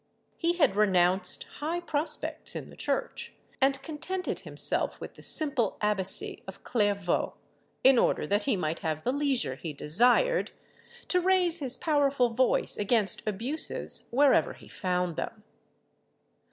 He had renounced high prospects in the Church, and contented himself with the simple abbacy of Clairvaux, in order that he might have the leisure he desired, to raise his powerful voice against abuses wherever he found them.